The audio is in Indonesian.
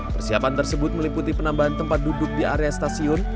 persiapan tersebut meliputi penambahan tempat duduk di area stasiun